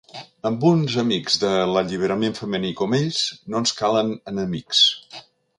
Amb uns amics de l'alliberament femení com ells no ens calen enemics.